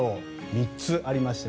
３つありまして